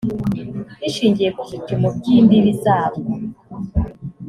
rishingiye ku bipimo by imbibi zabwo